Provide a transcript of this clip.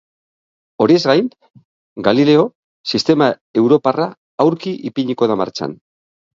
Horiez gain, Galileo sistema europarra aurki ipiniko da martxan.